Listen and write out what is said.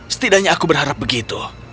setidaknya aku berharap begitu